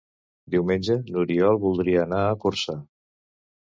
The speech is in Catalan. Diumenge n'Oriol voldria anar a Corçà.